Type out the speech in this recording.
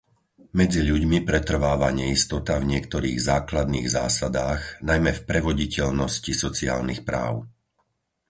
Medzi ľuďmi pretrváva neistota v niektorých základných zásadách, najmä v prevoditeľnosti sociálnych práv.